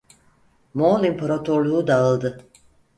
Moğol imparatorluğu dağıldı.